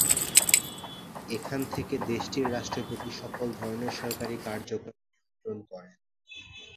এখান থেকে দেশটির রাষ্ট্রপতি সকল ধরনের সরকারি কার্যক্রম নিয়ন্ত্রণ করেন।